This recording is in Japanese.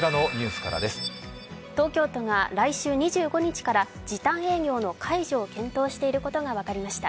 東京都が来週２５日から時短営業の解除を検討していることが分かりました。